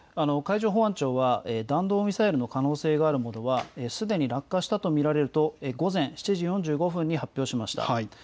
海上保安庁は、弾道ミサイルの可能性があるものはすでに落下したと見られると、午前７時４５分に発表しました。